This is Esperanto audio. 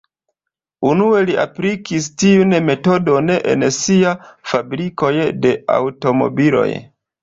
Unue li aplikis tiun metodon en sia fabrikoj de aŭtomobiloj.